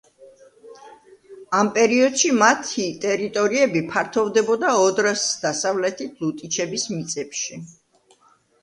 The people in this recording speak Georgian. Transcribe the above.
ამ პერიოდში მათი ტერიტორიები ფართოვდებოდა ოდრას დასავლეთით ლუტიჩების მიწებში.